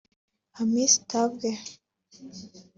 Hamisi Tambwe